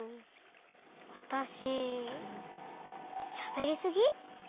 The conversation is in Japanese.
わたししゃべりすぎ？